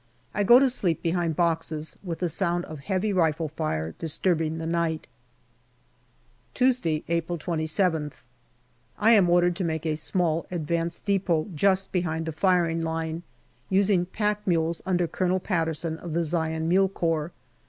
I go to sleep behind boxes with the sound of a heavy rifle fire disturbing the night. APRIL 45 Tuesday, April 27. I am ordered to make a small advanced depot just behind the firing line, using pack mules under Colonel Patterson, of the Zion Mule Corps.